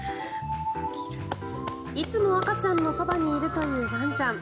いつも赤ちゃんのそばにいるというワンちゃん。